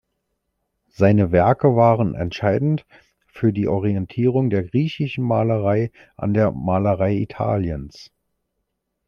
Seine Werke waren entscheidend für die Orientierung der griechischen Malerei an der Malerei Italiens.